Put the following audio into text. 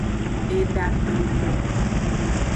Eda kpenkpen.